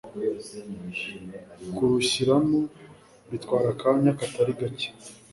kurushyiramo bitwara akanya katari gake